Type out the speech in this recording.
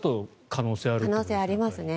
可能性ありますね。